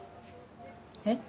えっ？